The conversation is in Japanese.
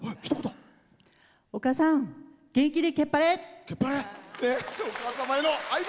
お母さん、元気でけっぱれ。